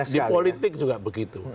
di politik juga begitu